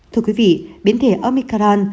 thưa quý vị biến thể omicron